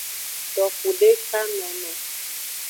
Toxudekanono.